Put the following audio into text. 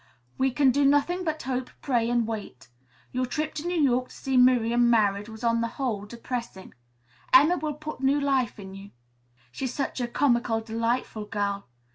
"We can do nothing but hope, pray and wait. Your trip to New York to see Miriam married was on the whole depressing. Emma will put new life into you. She's such a comical, delightful girl.